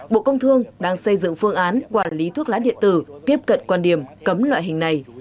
bộ công thương đang xây dựng phương án quản lý thuốc lá điện tử tiếp cận quan điểm cấm loại hình này